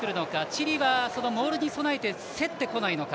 チリはモールに備えて競ってこないのか。